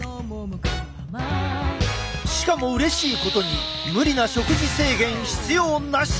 しかもうれしいことに無理な食事制限必要なし！